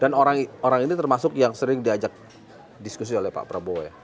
dan orang ini termasuk yang sering diajak diskusi oleh pak prabowo ya